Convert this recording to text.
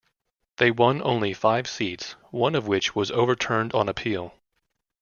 They won only five seats, one of which was overturned on appeal.